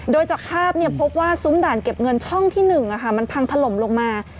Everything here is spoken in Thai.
โดยจากภาพพบว่าซุ้มด่านเก็บเงินช่องที่๑มันพังถล่มลงมา